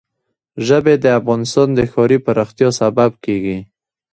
ژبې د افغانستان د ښاري پراختیا سبب کېږي.